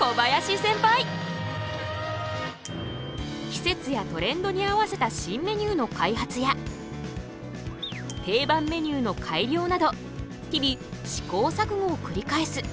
季節やトレンドに合わせた新メニューの開発や定番メニューの改良など日々試行錯誤をくり返す。